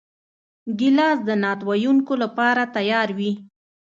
ګیلاس د نعت ویونکو لپاره تیار وي.